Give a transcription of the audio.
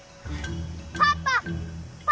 パパ！